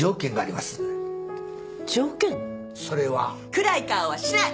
暗い顔はしない！